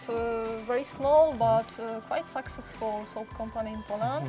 itu benar saya punya perusahaan sabun yang sangat kembali di polandia